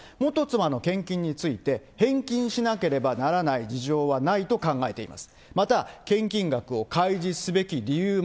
元妻の献金について、返金しなければならない事情はないと考えています。